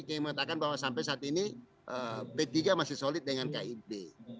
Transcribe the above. kami mengatakan bahwa sampai saat ini p tiga masih solid dengan kib